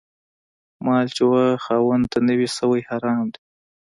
مال چي و خاوند ته نه وي سوی، حرام دی